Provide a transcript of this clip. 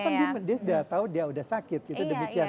karena kan dia udah tau dia udah sakit gitu demikian